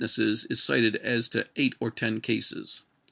nesses is cited as to eight or ten cases.